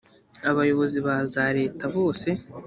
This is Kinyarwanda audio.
abayobozi ba za leta bose